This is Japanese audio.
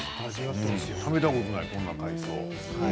食べたことない、こんな海藻。